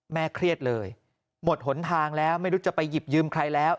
เครียดเลยหมดหนทางแล้วไม่รู้จะไปหยิบยืมใครแล้ว